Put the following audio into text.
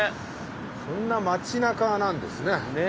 こんな街なかなんですね。ね。